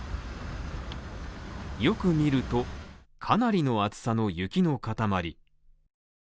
よく見ると、かなりの厚さの雪の塊。